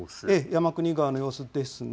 山国川の様子ですね。